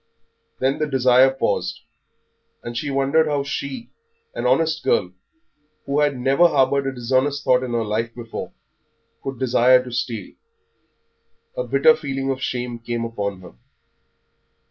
Then the desire paused, and she wondered how she, an honest girl, who had never harboured a dishonest thought in her life before, could desire to steal; a bitter feeling of shame came upon her.